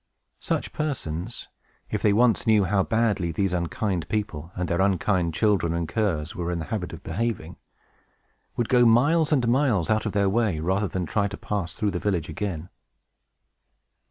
Such persons (if they once knew how badly these unkind people, and their unkind children and curs, were in the habit of behaving) would go miles and miles out of their way, rather than try to pass through the village again.